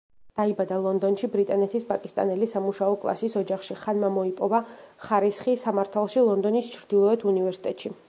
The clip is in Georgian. დაიბადა ლონდონში, ბრიტანეთის პაკისტანელი სამუშაო კლასის ოჯახში, ხანმა მოიპოვა ხარისხი სამართალში ლონდონის ჩრდილოეთ უნივერსიტეტში.